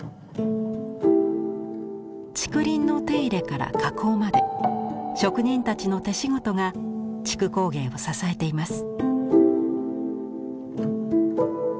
竹林の手入れから加工まで職人たちの手仕事が竹工芸を支えています。